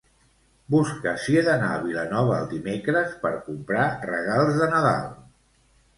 Busca si he d'anar a Vilanova el dimecres per comprar regals de Nadal.